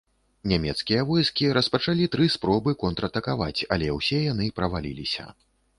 Нямецкія войскі распачалі тры спробы контратакаваць, але ўсе яны праваліліся.